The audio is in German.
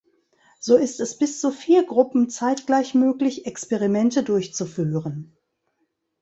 So ist es bis zu vier Gruppen zeitgleich möglich, Experimente durchzuführen.